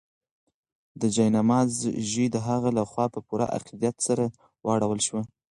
د جاینماز ژۍ د هغې لخوا په پوره عقیدت سره ورواړول شوه.